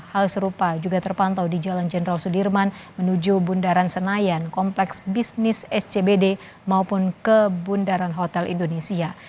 hal serupa juga terpantau di jalan jenderal sudirman menuju bundaran senayan kompleks bisnis scbd maupun ke bundaran hotel indonesia